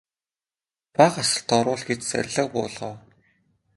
Бага асарт оруул гэж зарлиг буулгав.